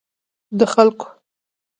د خلګو